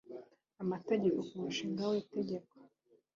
amategeko ku mushinga w itegeko